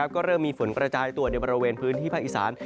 ก็เริ่มมีฝนกระจายตัวในบริเวณพื้นที่ภาคอีสาน